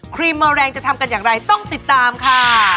ครีมเมอร์แรงจะทำกันอย่างไรต้องติดตามค่ะ